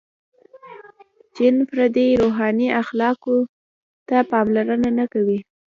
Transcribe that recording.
• جن فردي روحاني اخلاقو ته پاملرنه نهکوي.